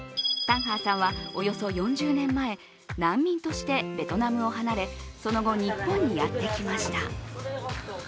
タンハーさんはおよそ４０年前難民としてベトナムを離れその後、日本にやってきました。